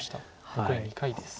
残り２回です。